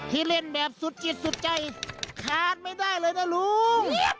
ที่เล่นแบบสุดจิตสุดใจขาดไม่ได้เลยนะลุง